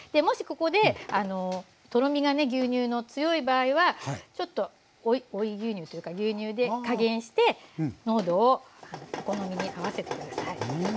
もしここでとろみがね牛乳の強い場合はちょっと追い牛乳というか牛乳で加減して濃度をお好みに合わせて下さい。